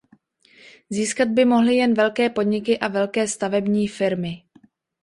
Získat by mohly jen velké podniky a velké stavební firmy.